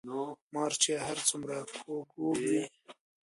ـ مار چې هر څومره کوږ وږ وي